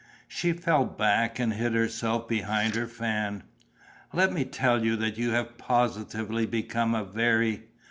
She fell back and hid herself behind her fan. "Let me tell you that you have positively become a very